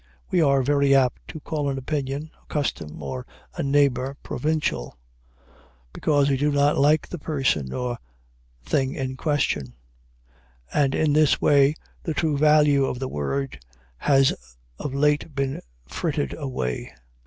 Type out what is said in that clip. We are very apt to call an opinion, a custom, or a neighbor "provincial," because we do not like the person or thing in question; and in this way the true value of the word has of late been frittered away.